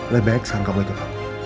lebih baik sekarang kamu ikut aku